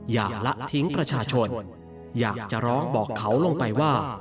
ละทิ้งประชาชนอยากจะร้องบอกเขาลงไปว่า